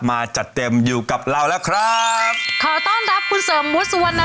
มาจัดเต็มอยู่กับเราแล้วครับขอต้อนรับคุณเสมอมุทธ์สวนรสค่ะ